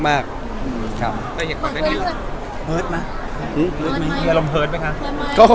แล้วก็